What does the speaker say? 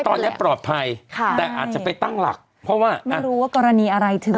ตอนนี้ปลอดภัยค่ะแต่อาจจะไปตั้งหลักเพราะว่าไม่รู้ว่ากรณีอะไรถึง